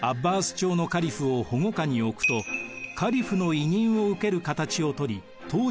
朝のカリフを保護下におくとカリフの委任を受ける形を取り統治を行います。